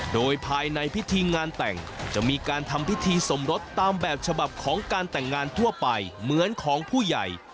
โดยภายในพิธีงานแต่งจะมีการทำพิธีสมรสตามแบบฉบับของการแต่งงานทั่วไปเหมือนของผู้ใหญ่